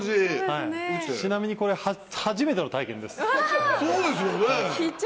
ちなみにこれ、初めての体験そうですよね。